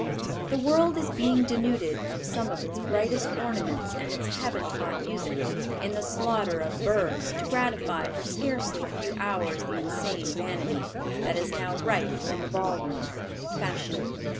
The world is being denuded of some of its brightest ornaments and its heaven taught music, in the slaughter of birds, to gratify for scarcely a few hours the insane vanity, that is now rife in the ball room fashion.